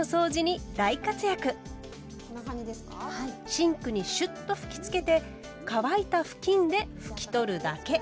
シンクにシュッと吹きつけて乾いた布巾で拭き取るだけ。